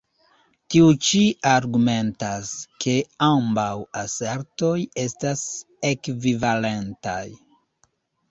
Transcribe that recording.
Tiu ĉi argumentas, ke ambaŭ asertoj estas ekvivalentaj.